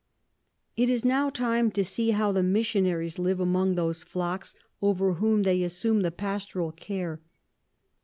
It is now time to see how the Missionaries live among those Flocks over whom they assume the Pastoral Care.